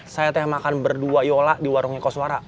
saya teh makan berdua yola di warungnya koswara